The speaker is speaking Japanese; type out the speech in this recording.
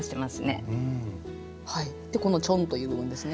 でこのちょんという部分ですね。